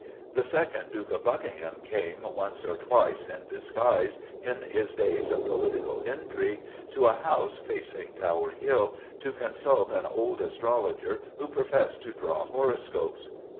The second Duke of Buckingham came, once or twice in disguise, in his days of political intrigue, to a house facing Tower Hill, to consult an old astrologer who professed to draw horoscopes.